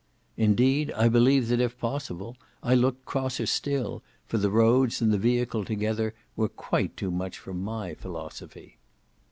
Indeed, I believe that, if possible, I looked crosser still, for the roads and the vehicle together were quite too much for my philosophy.